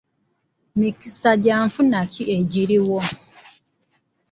Mikisa gya nfuna ki egiriwo?